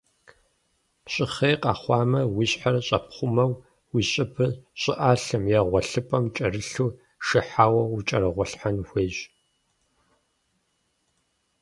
Щӏыхъей къэхъуамэ, уи щхьэр щӏэпхъумэу, уи щӏыбыр щӏыӏалъэм е гъуэлъыпӏэм кӏэрылъу, шыхьауэ укӏэрыгъуэлъхьэн хуейщ.